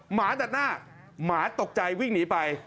หมาตัดหน้าหมาตกใจวิ่งหนีไป